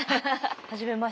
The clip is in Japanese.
はじめまして。